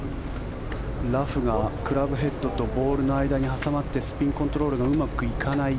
ラフがクラブヘッドとボールの間に挟まってスピンコントロールがうまくいかない